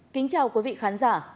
kính chào quý vị khán giả